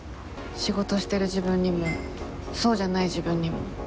仕事してる自分にもそうじゃない自分にも。